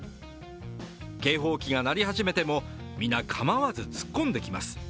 警報器が鳴り始めても、皆、かまわず突っ込んできます